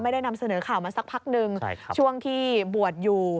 ได้นำเสนอข่าวมาสักพักหนึ่งช่วงที่บวชอยู่